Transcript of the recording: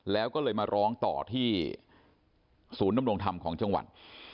แล้วก็เลยมาร้องต่อที่ศูนย์ดำรงธรรมของจังหวัด